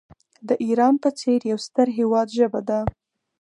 د ایران په څېر یو ستر هیواد ژبه ده.